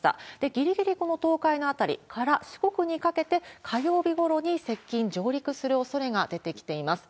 ぎりぎりこの東海の辺りから四国にかけて、火曜日ごろに接近、上陸するおそれが出てきています。